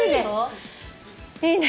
いいね。